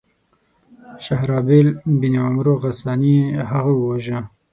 شهرابیل بن عمرو غساني هغه وواژه.